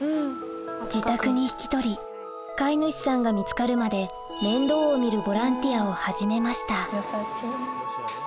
自宅に引き取り飼い主さんが見つかるまで面倒を見るボランティアを始めました